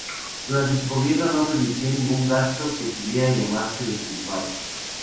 Durante su Gobierno no permitió ningún gasto que pudiera llamarse despilfarro.